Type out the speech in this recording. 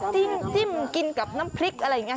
จิ้มกินกับน้ำพริกอะไรอย่างนี้